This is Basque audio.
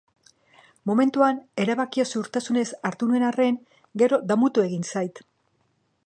Momentuan erabakia ziurtasunez hartu nuen arren, gero damutu egin zait.